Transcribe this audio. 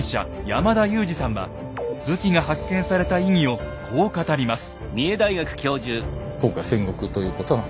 山田雄司さんは武器が発見した意義をこう語ります。